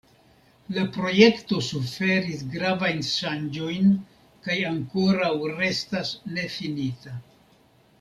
La projekto suferis gravajn ŝanĝojn kaj ankoraŭ restas nefinita.